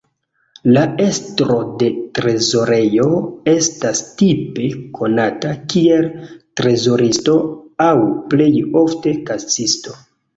La estro de trezorejo estas tipe konata kiel trezoristo aŭ plej ofte kasisto.